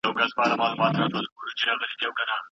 چي زما پښو ته یې ځینځیر جوړ کړ ته نه وې